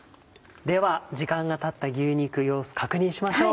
では時間がたった牛肉様子確認しましょう。